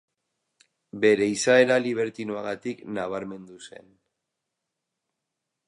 Bere izaera libertinoagatik nabarmendu zen.